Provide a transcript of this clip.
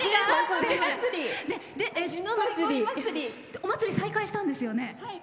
お祭り、再開したんですよね。